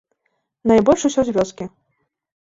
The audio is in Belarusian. Найбольш усё з вёскі.